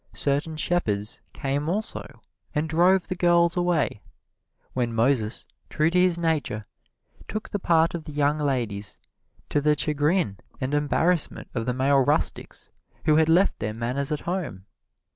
Certain shepherds came also and drove the girls away, when Moses, true to his nature, took the part of the young ladies, to the chagrin and embarrassment of the male rustics who had left their manners at home.